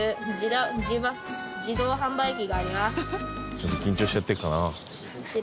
ちょっと緊張しちゃってるかな。